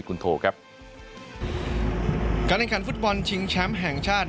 การนันคันฟุตบอลชิงแชมพ์แห่งชาติ